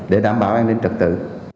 để đảm bảo an ninh trật tự